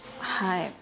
はい。